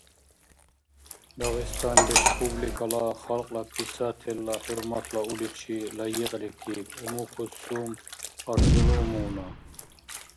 Дагъистан Республикала халкьла писателла ХӀурматла уличи лайикьрикиб Умукусум Арзулумовна.